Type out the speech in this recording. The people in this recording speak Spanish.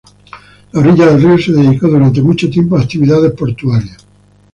La orilla del río se dedicó durante mucho tiempo a actividades portuarias.